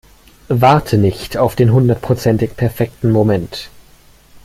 Warte nicht auf den hundertprozentig perfekten Moment.